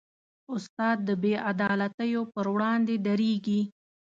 استاد د بېعدالتیو پر وړاندې دریږي.